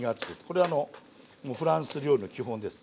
これあのフランス料理の基本です。